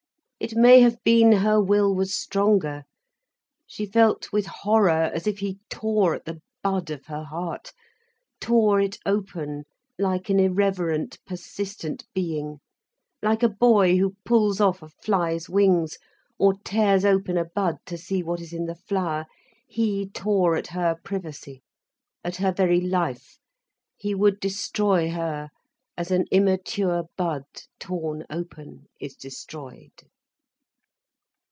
It may have been her will was stronger. She felt, with horror, as if he tore at the bud of her heart, tore it open, like an irreverent persistent being. Like a boy who pulls off a fly's wings, or tears open a bud to see what is in the flower, he tore at her privacy, at her very life, he would destroy her as an immature bud, torn open, is destroyed.